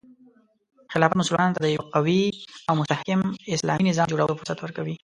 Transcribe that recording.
خلافت مسلمانانو ته د یو قوي او مستحکم اسلامي نظام جوړولو فرصت ورکوي.